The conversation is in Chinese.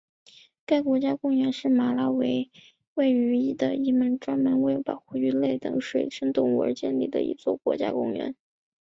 该国家公园是马拉维位于的一座专门为保护鱼类等水生动物而建立的一座国家公园。